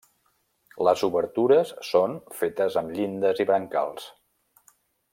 Les obertures són fetes amb llindes i brancals.